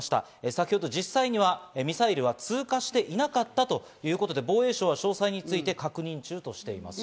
先ほど実際にはミサイルは通過していなかったということで、防衛省は詳細について確認中としています。